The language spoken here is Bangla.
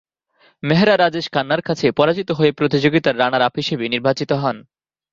মেহরা রাজেশ খান্নার কাছে পরাজিত হয়ে প্রতিযোগিতার রানার আপ হিসেবে নির্বাচিত হন।